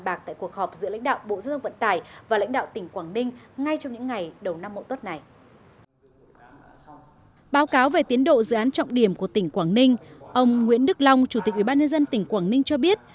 báo về tiến độ dự án trọng điểm của tỉnh quảng ninh ông nguyễn đức long chủ tịch ủy ban nhân dân tỉnh quảng ninh cho biết